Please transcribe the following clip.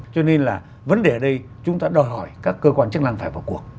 cho nên là vấn đề ở đây chúng ta đòi hỏi các cơ quan chức năng phải vào cuộc